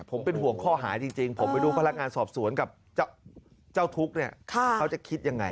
ผมเป็นห่วงข้อหาจริงผมไปดูพนักงานสอบสวนกับเจ้าทุกข์เนี่ยเขาจะคิดยังไง